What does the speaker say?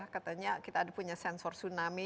katanya kita ada punya sensor tsunami